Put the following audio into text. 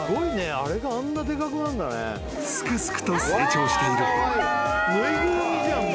［すくすくと成長している］